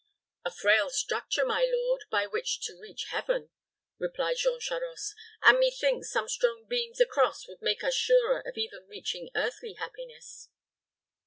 "A frail structure, my lord, by which to reach heaven," replied Jean Charost, "and methinks some strong beams across would make us surer of even reaching earthly happiness."